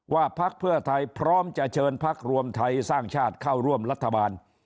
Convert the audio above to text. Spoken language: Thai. พักเพื่อไทยพร้อมจะเชิญพักรวมไทยสร้างชาติเข้าร่วมรัฐบาล